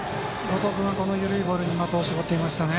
後藤君は緩いボールに的を絞っていましたね。